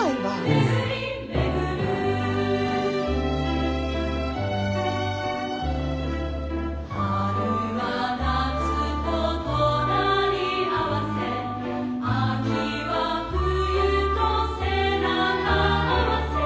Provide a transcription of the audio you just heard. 「めぐりめぐる」「春は夏と隣り合わせ」「秋は冬と背中合わせ」